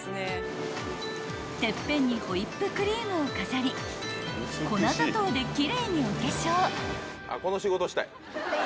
［てっぺんにホイップクリームを飾り粉砂糖で奇麗にお化粧］